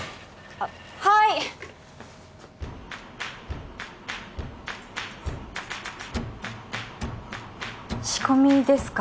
あっはい仕込みですか